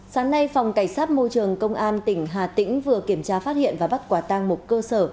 sáng nay phòng cảnh sát môi trường công an tỉnh hà tĩnh vừa kiểm tra phát hiện và bắt quả tang một cơ sở